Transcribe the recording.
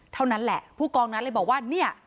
เท่านั้นแหละผู้กองนั้นเลยบอกว่าเนี่ย